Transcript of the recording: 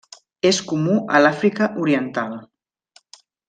És comú a l'Àfrica oriental.